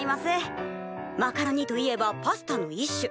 「マカロニといえばパスタの一種。